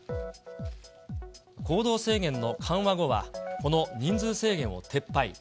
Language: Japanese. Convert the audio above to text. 行動制限の緩和後は、この人数制限を撤廃。